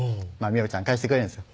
みおぴちゃん返してくれるんです